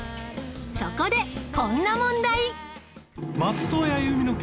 そこでこんな問題